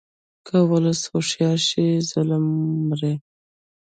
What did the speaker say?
که ولس هوښیار شي، ظلم مري.